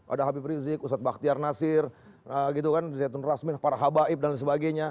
ada habib rizik ustadz bakhtiar nasir zaitun razmi farah habib dan sebagainya